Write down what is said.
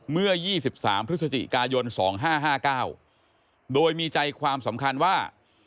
เมื่อ๒๓พฤศจิกายน๒๕๕๙โดยมีใจความสำคัญว่า